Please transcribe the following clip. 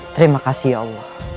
terima kasih ya allah